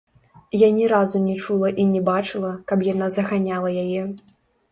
Я ні разу не чула і не бачыла, каб яна заганяла яе.